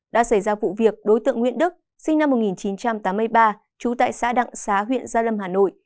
đã xảy ra vụ việc đối tượng nguyễn đức sinh năm một nghìn chín trăm tám mươi ba trú tại xã đặng xá huyện gia lâm hà nội